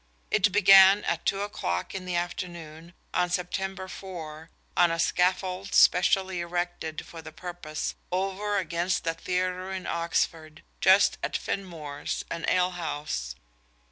It began at two o'clock in the afternoon of September 4 on a scaffold specially erected for the purpose "over against the Theatre in Oxford ... just at Finmore's, an alehouse."